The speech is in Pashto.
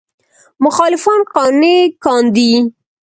مخالفان قانع کاندي.